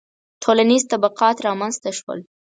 • ټولنیز طبقات رامنځته شول